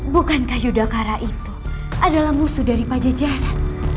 bukankah yudhacara itu adalah musuh dari pajajara